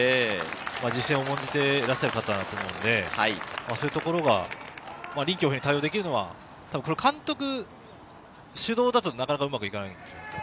実戦を重んじてらっしゃる方だと思うので、そういうところが臨機応変に対応できるのが、監督主導だと、なかなかうまくいかないんですよね。